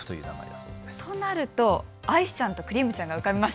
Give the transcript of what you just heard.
そうなるとアイスちゃんとクリームちゃんが浮かびます。